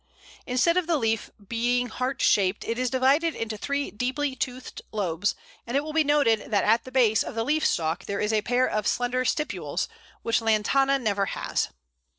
Instead of the leaf being heart shaped, it is divided into three deeply toothed lobes, and it will be noted that at the base of the leaf stalk there is a pair of slender stipules, which lantana never has.